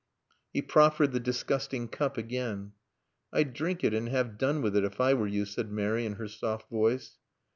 He proffered the disgusting cup again. "I'd drink it and have done with it, if I were you," said Mary in her soft voice.